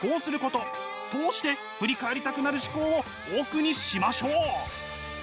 そうして振り返りたくなる思考をオフにしましょう。